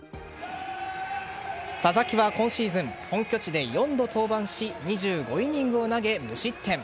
佐々木は今シーズン本拠地で４度登板し２５イニングを投げ無失点。